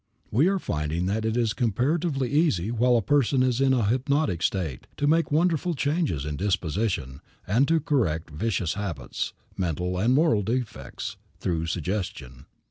We are finding that it is comparatively easy while a person is in a hypnotic state to make wonderful changes in disposition, and to correct vicious habits, mental and moral defects, through suggestion.